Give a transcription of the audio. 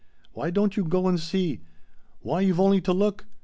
Why don't you go and see? Why you've only to look!